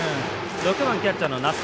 ６番キャッチャーの奈須。